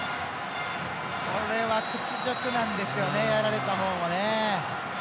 これは屈辱なんですよねやられた方もね。